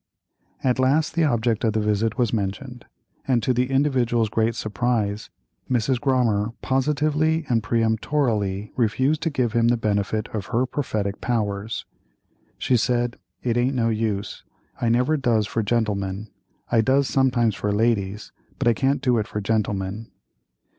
At last, the object of the visit was mentioned, and, to the individual's great surprise, Mrs. Grommer positively and peremptorily refused to give him the benefit of her prophetic powers. She said: "It aint no use; I never does for gentlemen. I does sometimes for ladies, but I can't do it for gentlemen."